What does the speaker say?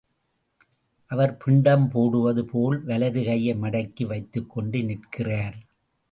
அவர் பிண்டம் போடுவது போல் வலதுகையை மடக்கி வைத்துக்கொண்டு நிற்கிறார்.